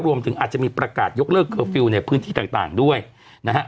รวมถึงอาจจะมีประกาศยกเลิกเคอร์ฟิลล์ในพื้นที่ต่างด้วยนะฮะ